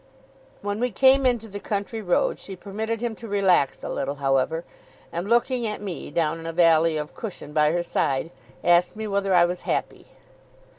When we came into the country road, she permitted him to relax a little, however; and looking at me down in a valley of cushion by her side, asked me whether I was happy?